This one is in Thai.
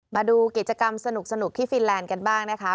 มาดูกิจกรรมสนุกที่ฟินแลนด์กันบ้างนะคะ